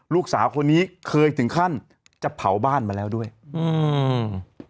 ลูกสาวคนนี้เคยถึงขั้นจะเผาบ้านมาแล้วด้วยอืม